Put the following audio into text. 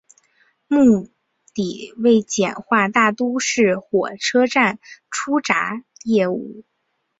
目的为简化大都市火车站的出闸业务。